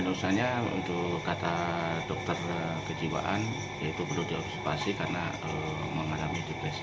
diagnosannya untuk kata dokter kejiwaan yaitu perlu diobservasi karena mengalami depresi